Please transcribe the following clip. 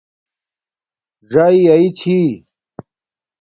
ژآئ آئ چھی